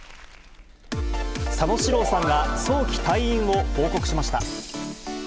佐野史郎さんが早期退院を報告しました。